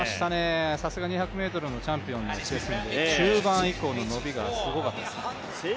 さすが２００ｍのチャンピオン、中盤以降の伸びがすごかったですね。